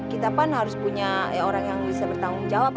kita pan harus punya orang yang bisa bertanggung jawab